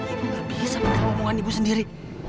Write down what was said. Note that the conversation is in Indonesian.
ibu gak bisa mengganggu umu umu sendiri